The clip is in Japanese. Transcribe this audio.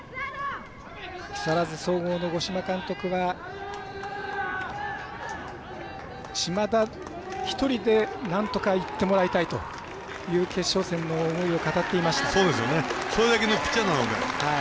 木更津総合の五島監督は島田一人でなんとかいってもらいたいという決勝戦の思いを語っていました。